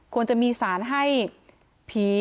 ควรจะมีสารให้ผี